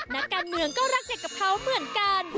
นักการเมืองก็รักเด็กกับเขาเหมือนกัน